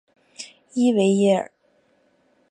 伊维耶尔。